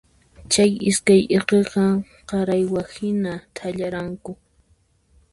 Chay iskay irqiqa qaraywa hina thallaranku.